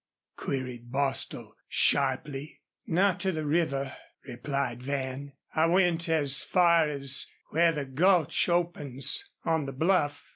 queried Bostil, sharply. "Not to the river," replied Van. "I went as far as where the gulch opens on the bluff.